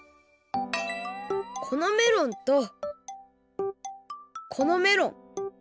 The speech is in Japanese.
このメロンとこのメロン。